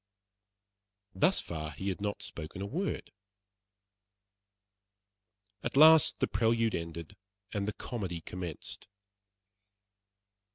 Thus far he had not spoken a word. At last the prelude ended, and the comedy commenced.